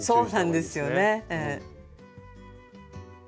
そうなんですね。